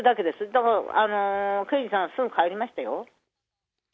だからもう、刑事さんはすぐ帰りましたよ。